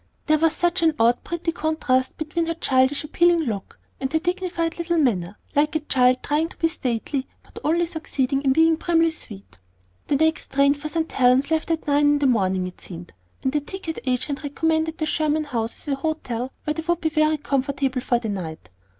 There was such an odd and pretty contrast between her girlish appealing look and her dignified little manner, like a child trying to be stately but only succeeding in being primly sweet. The next train for St. Helen's left at nine in the morning, it seemed, and the ticket agent recommended the Sherman House as a hotel where they would be very comfortable for the night.